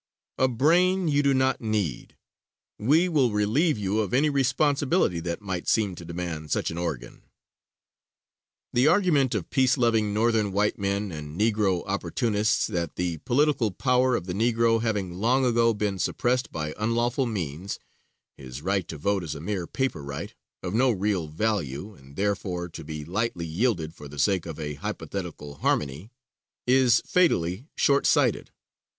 A brain you do not need. We will relieve you of any responsibility that might seem to demand such an organ." The argument of peace loving Northern white men and Negro opportunists that the political power of the Negro having long ago been suppressed by unlawful means, his right to vote is a mere paper right, of no real value, and therefore to be lightly yielded for the sake of a hypothetical harmony, is fatally short sighted.